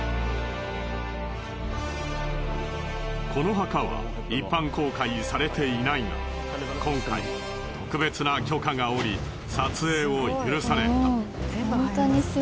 この墓は一般公開されていないが今回特別な許可が下り撮影を許された。